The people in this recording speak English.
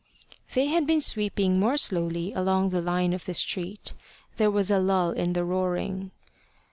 They had been sweeping more slowly along the line of the street. There was a lull in the roaring.